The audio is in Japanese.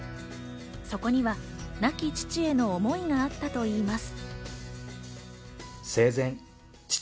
そこには亡き父への思いがあったといいます。